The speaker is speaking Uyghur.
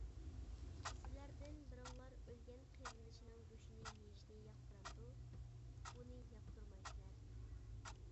سىلەردىن بىرىڭلار ئۆلگەن قېرىندىشىنىڭ گۆشىنى يېيىشنى ياقتۇرامدۇ؟ بۇنى ياقتۇرمايسىلەر.